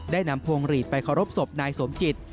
ได้นำพวงหลีดไปขอบสมนายสมจิต